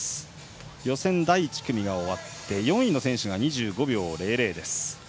予選第１組が終わって４位の選手が２５秒００。